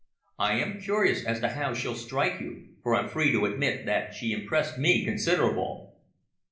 I am curious as to how she'll strike you, for I'm free to admit that she impressed me considerable."